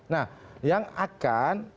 nah yang akan